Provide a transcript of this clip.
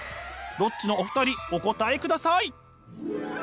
ロッチのお二人お答えください。